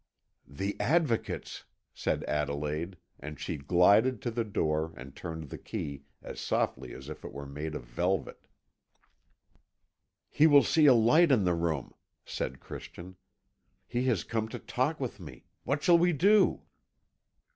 "The Advocate's," said Adelaide, and she glided to the door, and turned the key as softly as if it were made of velvet. "He will see a light in the room," said Christian. "He has come to talk with me. What shall we do?"